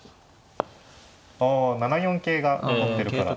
あ７四桂が残ってるから。